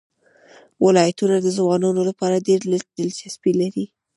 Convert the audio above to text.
ولایتونه د ځوانانو لپاره ډېره دلچسپي لري.